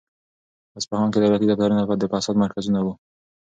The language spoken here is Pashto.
په اصفهان کې دولتي دفترونه د فساد مرکزونه وو.